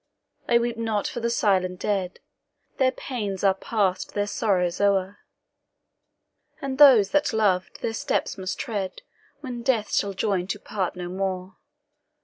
"I weep not for the silent dead. Their pains are past, their sorrows o'er; And those that loved their steps must tread, When death shall join to part no more."